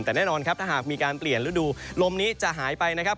แต่แน่นอนครับถ้าหากมีการเปลี่ยนฤดูลมนี้จะหายไปนะครับ